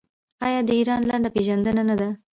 آیا دا د ایران لنډه پیژندنه نه ده؟